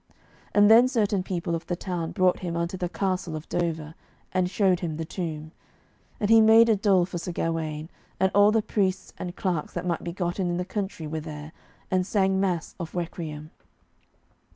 And then certain people of the town brought him unto the castle of Dover, and showed him the tomb. And he made a dole for Sir Gawaine, and all the priests and clerks that might be gotten in the country were there and sang mass of requiem.